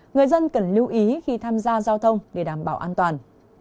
người dân cần lưu ý khi tham gia giao thông để đảm bảo an toàn